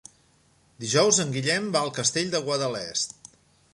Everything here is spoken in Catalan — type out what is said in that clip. Dijous en Guillem va al Castell de Guadalest.